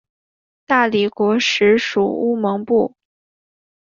大理国时属乌蒙部。